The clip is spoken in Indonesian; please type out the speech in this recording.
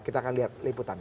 kita akan lihat liputannya